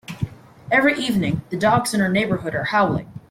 Every evening, the dogs in our neighbourhood are howling.